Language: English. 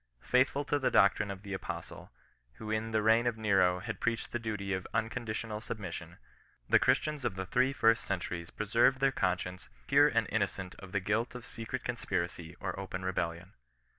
Faithful to the doctrine of the apostle, who in the reign of Nero had preached the duty of unconditional submission, the Christians of the three first centuries preserved their conscience pure and inno cent of the guilt of secret conspiracy or open rebellion.